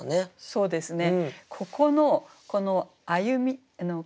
そうですね。